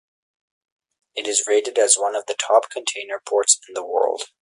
It is rated as one of the top container ports in the world.